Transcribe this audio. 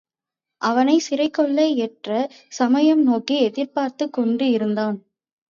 அவனைச் சிறைகொள்ள ஏற்ற சமயம் நோக்கி எதிர்பார்த்துக் கொண்டும் இருந்தான்.